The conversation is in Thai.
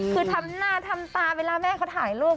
คือทำหน้าทำตาเวลาแม่เขาถ่ายรูป